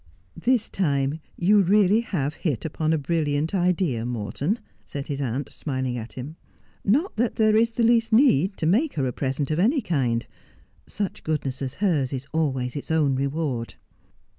' This time you really have hit upon a brilliant idea, Morton,' said his aunt, smiling at him. ' Not that there is the least need to make her a present of any kind. Such goodness as hers is always its own reward.'